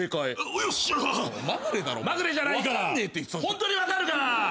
ホントに分かるから。